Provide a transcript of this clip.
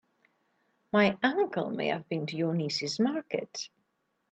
My uncle may have been to your niece's market.